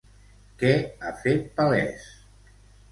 Què ha fet palès?